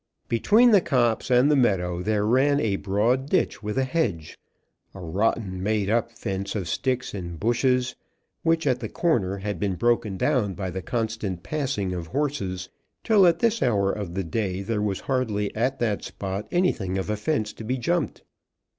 Between the copse and the meadow there ran a broad ditch with a hedge, a rotten made up fence of sticks and bushes, which at the corner had been broken down by the constant passing of horses, till, at this hour of the day, there was hardly at that spot anything of a fence to be jumped.